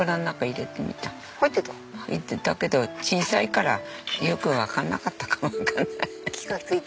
入ってたけど小さいからよくわかんなかったかもわからない。